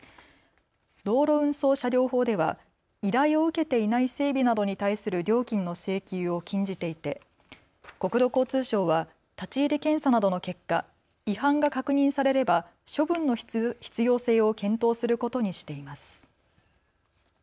道路運送車両法では依頼を受けていない整備などに対する料金の請求を禁じていて国土交通省は立ち入り検査などの結果、違反が確認されれば処分の必要性を検討することにしています。